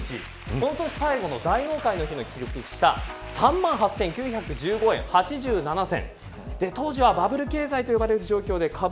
この年最後の大納会の日に記録した３万８９１５円８７銭。